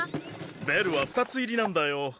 ベルは２つ入りなんだよ。